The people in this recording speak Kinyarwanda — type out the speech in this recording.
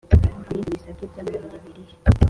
Ibindi bisate by amabuyebirihe